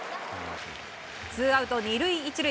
ツーアウト２塁１塁。